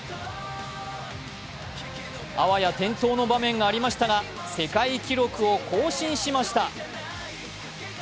あわや転倒の場面がありましたが世界記録を更新しました。